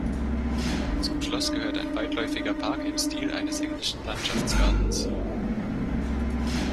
Zum Schloss gehört ein weitläufiger Park im Stil eines englischen Landschaftsgartens.